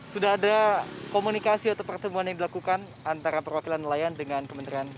sudah ada komunikasi atau pertemuan yang dilakukan antara perwakilan nelayan dengan kementerian